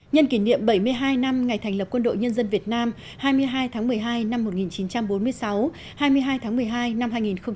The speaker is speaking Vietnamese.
nhân kỷ niệm bảy mươi hai năm ngày thành lập quân đội nhân dân việt nam hai mươi hai tháng một mươi hai năm một nghìn chín trăm bốn mươi sáu hai mươi hai tháng một mươi hai năm hai nghìn một mươi chín